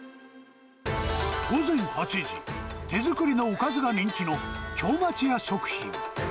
午前８時、手作りのおかずが人気の京町屋食品。